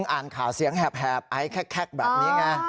อ่านข่าวเสียงแหบแคล็ดแคล็ดแบบนี้ไง